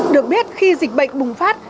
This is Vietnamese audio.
được biết khi dịch bệnh bùng phát